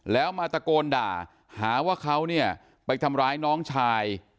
แล้วมาตะโกนด่าหาว่าเขาเนี่ยไปทำร้ายน้องชาย